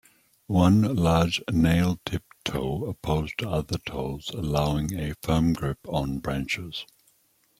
One large, nail-tipped toe opposed other toes, allowing a firm grip on branches.